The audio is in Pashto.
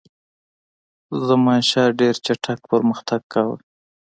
زمانشاه ډېر چټک پرمختګ کاوه.